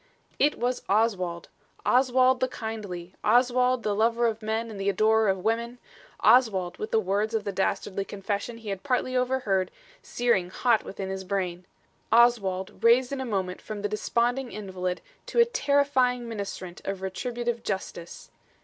It was Oswald! Oswald, the kindly! Oswald, the lover of men and the adorer of women! Oswald, with the words of the dastardly confession he had partly overheard searing hot within his brain! Oswald, raised in a moment from the desponding invalid to a terrifying ministrant of retributive justice.